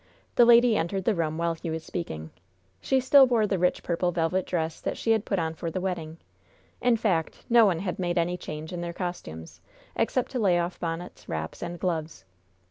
The lady entered the room while he was speaking. She still wore the rich purple velvet dress that she had put on for the wedding. In fact, no one had made any change in their costumes, except to lay off bonnets, wraps and gloves.